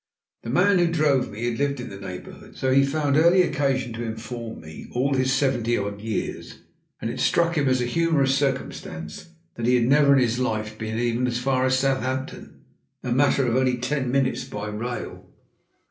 The man who drove me had lived in the neighbourhood, so he found early occasion to inform me, all his seventy odd years, and it struck him as a humorous circumstance that he had never in his life been even as far as Southampton, a matter of only ten minutes by rail.